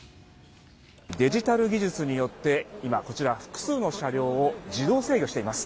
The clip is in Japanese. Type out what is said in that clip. デジタル技術によって今、こちら複数の車両を自動制御しています。